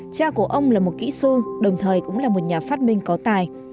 cha của ông là một kỹ sư đồng thời cũng là một nhà phát minh có tài